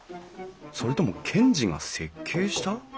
それとも賢治が設計した？